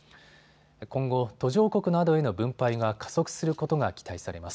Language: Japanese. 今後、途上国などへの分配が加速することが期待されます。